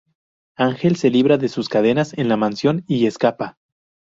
Ángel se libra de sus cadenas en la Mansión y escapa.